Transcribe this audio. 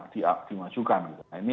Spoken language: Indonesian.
dia dimajukan gitu